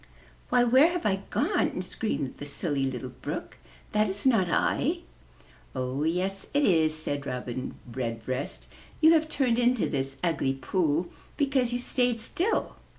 "Why, where have I gone?" screamed the Silly Little Brook. "That is not I!" "Oh, yes it is," said Robin Redbreast. "You have turned into this ugly pool because you stayed still.